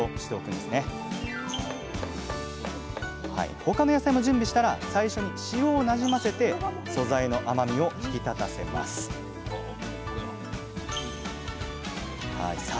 他の野菜も準備したら最初に塩をなじませて素材の甘みを引き立たせますさあ